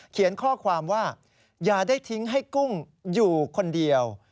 เขียนข้อความว่าอย่าได้ทิ้งให้กุ้งอยู่คนเดียว